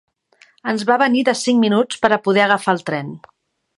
Ens va venir de cinc minuts per a poder agafar el tren.